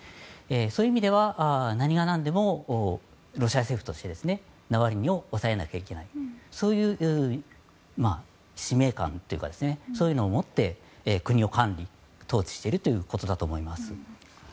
そういう意味では何が何でもロシア政府としてナワリヌイを抑えなきゃいけないそういう使命感というかそういうのをもって国を管理・統治しているということだと思います。